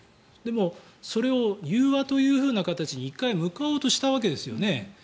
でも、それを融和というふうな形に１回向かおうとしたわけですよね。